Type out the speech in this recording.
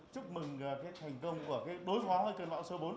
chúc mừng thành công của đối phó với cơn bão số bốn